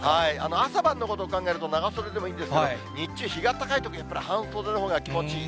朝晩のことを考えると、長袖でもいいんですが、日中、日が高いときにはやっぱり半袖のほうが気持ちいい。